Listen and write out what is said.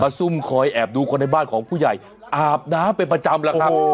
ซุ่มคอยแอบดูคนในบ้านของผู้ใหญ่อาบน้ำเป็นประจำแล้วครับ